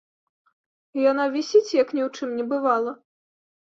Яна вісіць, як ні ў чым не бывала.